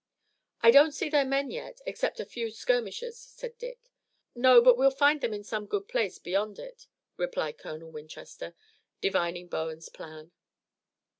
"I don't see their men yet, except a few skirmishers," said Dick. "No, but we'll find them in some good place beyond it," replied Colonel Winchester, divining Bowen's plan.